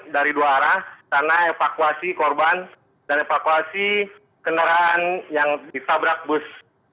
dari dua arah sana evakuasi korban dan evakuasi kendaraan yang ditabrak bus